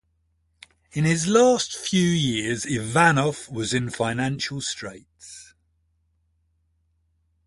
In his last years Ivanov was in financial straits.